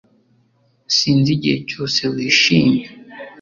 Sinzi igihe cyose wishimye